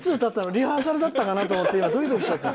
リハーサルだったかな？と思ってドキドキしちゃった。